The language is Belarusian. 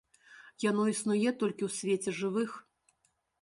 Яно існуе толькі ў свеце жывых.